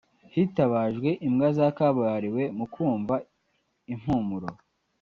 Hitabajwe imbwa za kabuhariwe mu kumva impumuro